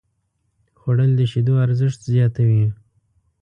خوړل د شیدو ارزښت زیاتوي